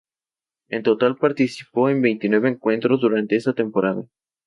En total, participó en veintinueve encuentros durante esa temporada.